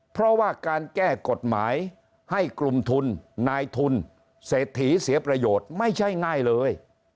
เพราะว่าการแก้กฎหมายให้กลุ่มทุนนายทุนเศรษฐีเสียประโยชน์ไม่ใช่ง่ายเลย